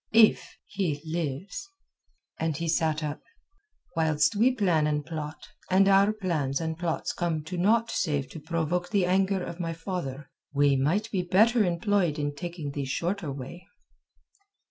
"If he lives!" And he sat up. "Whilst we plan and plot, and our plans and plots come to naught save to provoke the anger of my father, we might be better employed in taking the shorter way."